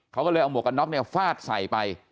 เขาก็เลยเอาหมวกกันน็อกเนี่ยฟาดใส่ไป